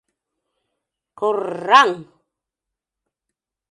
Кор-раҥ!